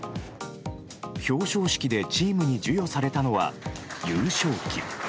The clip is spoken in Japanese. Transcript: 表彰式でチームに授与されたのは優勝旗。